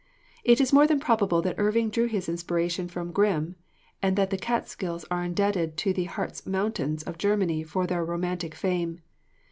It is more than probable that Irving drew his inspiration from Grimm, and that the Catskills are indebted to the Hartz Mountains of Germany for their romantic fame.